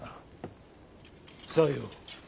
さよう。